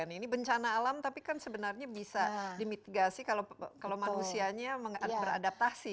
ini bencana alam tapi kan sebenarnya bisa dimitigasi kalau manusianya beradaptasi